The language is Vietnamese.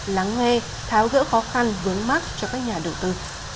lắng nghe tháo gỡ khó khăn vướng mắt cho các nhà đầu tư